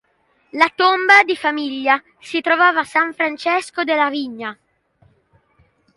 La tomba di famiglia si trovava a San Francesco della Vigna.